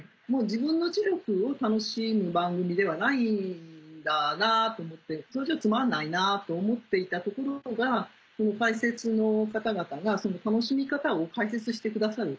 自分の知力を楽しむ番組ではないんだなと思ってそしたらつまんないなと思っていたところが解説の方々が楽しみ方を解説してくださる。